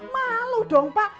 malu dong pak